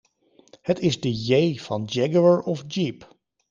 Het is de J van Jaguar of Jeep.